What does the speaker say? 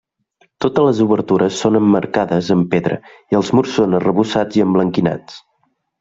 Totes les obertures són emmarcades amb pedra i els murs són arrebossats i emblanquinats.